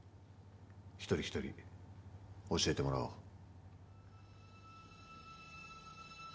一人一人教えてもらおう。